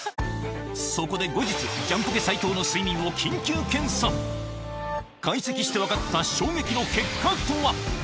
そこで後日ジャンポケ・斉藤の睡眠を緊急検査解析して分かった衝撃の結果とは？